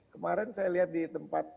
kemarin saya lihat di tempat